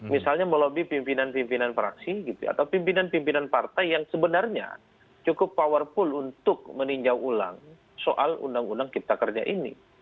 misalnya melobi pimpinan pimpinan fraksi gitu atau pimpinan pimpinan partai yang sebenarnya cukup powerful untuk meninjau ulang soal undang undang cipta kerja ini